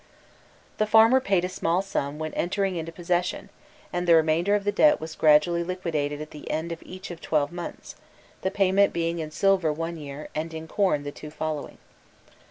The farmer paid a small sum when entering into possession, and the remainder of the debt was gradually liquidated at the end of each twelve months, the payment being in silver one year, and in corn the two following.